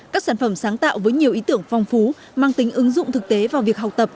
các sản phẩm sáng tạo với nhiều ý tưởng phong phú mang tính ứng dụng thực tế vào việc học tập